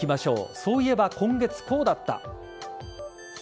そういえば今月こうだった。